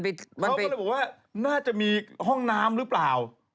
เขาก็เลยบอกว่าน่าจะมีห้องน้ำหรือเปล่า